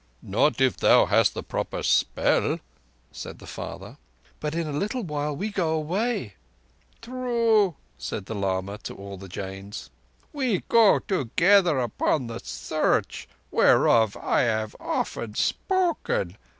"Not if thou hast the proper spell," said the father. "But in a little while we go away." "True," said the lama to all the Jains. "We go now together upon the Search whereof I have often spoken.